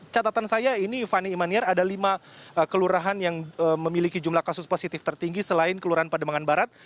catatan saya ini fani imanier ada lima kelurahan yang memiliki jumlah kasus positif tertinggi selain kelurahan pademangan barat